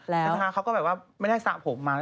แล้วเขาก็แบบว่าไม่ได้สระผมมาเลย